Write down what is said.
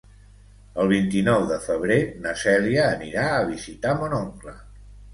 El vint-i-nou de febrer na Cèlia anirà a visitar mon oncle.